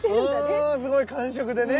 うんすごい感触でね。